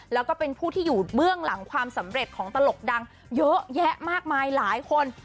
แล้วก็เป็นผู้ที่อยู่เบื้องหลังความสำเร็จของตลกดังเยอะแยะมากมายหลายคน